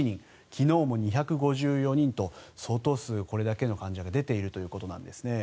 昨日も２５４人と相当数、これだけの患者が出ているということなんですね。